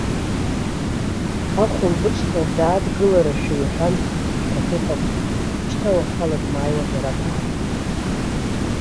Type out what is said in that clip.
Ахәылбыҽха даадгыларашәа иҳәан, аха дыҟам, шьҭа уахала дмааиуазар акәхап.